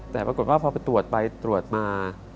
แต่ปรากฏว่าพอไปตรวจไปตรวจมา